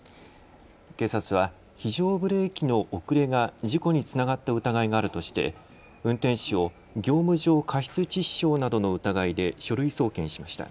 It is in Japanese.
警察は非常ブレーキの遅れが事故につながった疑いがあるとして運転士を業務上過失致死傷などの疑いで書類送検しました。